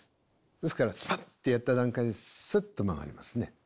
ですからスパッてやった段階でスッと曲がりますね。